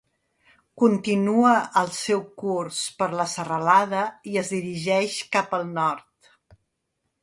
Continua el seu curs per la serralada i es dirigeix cap al nord.